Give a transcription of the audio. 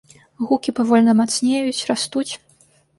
Гукі павольна мацнеюць, растуць.